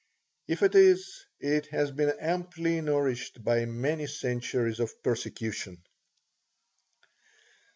If it is, it has been amply nourished by many centuries of persecution.